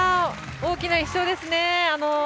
大きな１勝ですね。